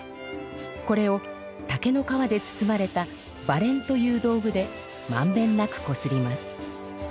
これを竹の皮で包まれたばれんという道具でまんべんなくこすります。